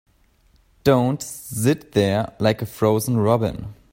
Don't sit there like a frozen robin.